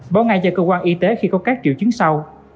báo ngay cho cơ quan y tế khi có các triệu chứng sau